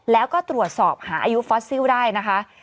แล้วก็ตรวจสอบหาอายุฟอสซิลได้นะคะ